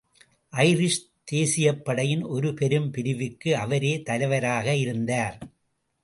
Irish தேசியப்படையின் ஒரு பெரும் பிரிவுக்கு அவரே தலைவராக இருந்ததார்.